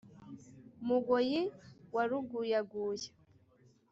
mugoyi wa ruguyaguya